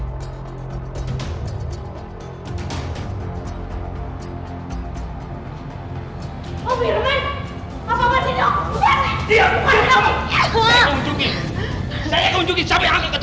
kasian tahu keatna